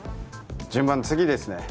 順番次ですね